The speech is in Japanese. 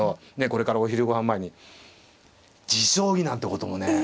これからお昼ごはん前に持将棋なんてこともね